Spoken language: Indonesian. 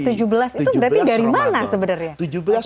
tujuh belas itu berarti dari mana sebenarnya